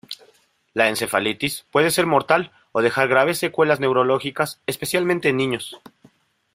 La encefalitis puede ser mortal o dejar graves secuelas neurológicas, especialmente en niños.